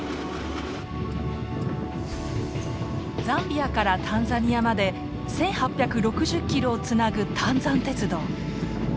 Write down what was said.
ザンビアからタンザニアまで１，８６０キロをつなぐタンザン鉄道。